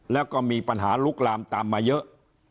แล้วก็มีปัญหาลุกลามตามมาเยอะ